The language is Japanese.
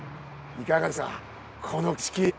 いかがですかこの景色。